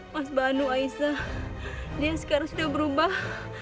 mas banu aisah dia sekarang sudah berubah